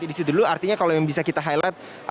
di situ dulu artinya kalau yang bisa kita highlight